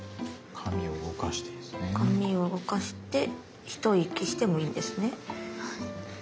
紙を動かして一息してもいいんですね。